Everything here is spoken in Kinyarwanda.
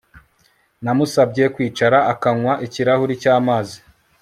Namusabye kwicara akanywa ikirahuri cyamazi